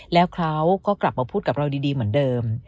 แล้วเขาก็กลับมาพูดกับเราดีเหมือนเดิม